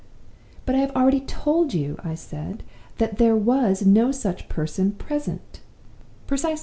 "'But I have already told you,' I said, 'that there was no such person present.